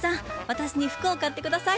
私に服を買って下さい。